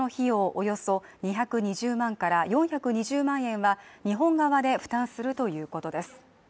およそ２２０万から４２０万円は日本側で負担するということです。